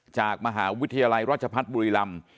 จากมหาวิทยาลัยราชพัฒน์บุรีรำ